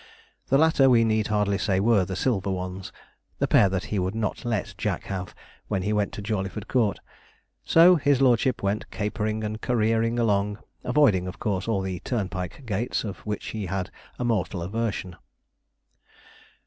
The latter, we need hardly say, were the silver ones the pair that he would not let Jack have when he went to Jawleyford Court. So his lordship went capering and careering along, avoiding, of course, all the turnpike gates, of which he had a mortal aversion.